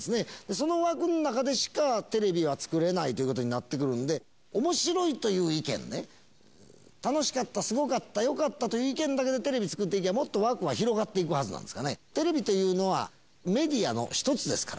その枠の中でしか、テレビは作れないということになってくるんで、おもしろいという意見ね、楽しかった、すごかった、よかったという意見だけでテレビ作っていけば、もっと枠は広がっていくはずなんですがね、テレビというのは、メディアの一つですから。